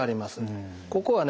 ここはね